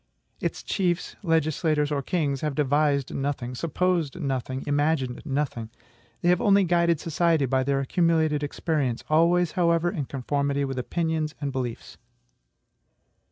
Its chiefs, legislators, or kings have devised nothing, supposed nothing, imagined nothing. They have only guided society by their accumulated experience, always however in conformity with opinions and beliefs.